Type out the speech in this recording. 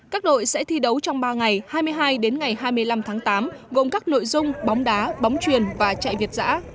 các đội sẽ thi đấu trong ba ngày hai mươi hai đến ngày hai mươi năm tháng tám gồm các nội dung bóng đá bóng truyền và chạy việt giã